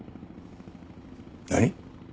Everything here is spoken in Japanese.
何！？